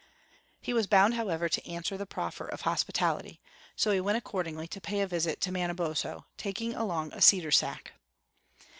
He was bound, however, to answer the proffer of hospitality, so he went accordingly to pay a visit to Manabozho, taking along a cedar sack.